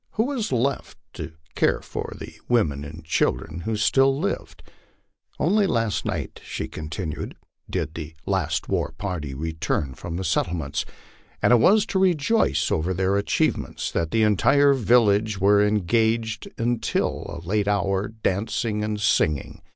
Who was left to care for the women and children who still lived? Only last night, she continued, did the last war pnrty return from the settlements, and it was to rejoice over their achieve ments that the entire village were engaged untt a late hour dancing and sing ing.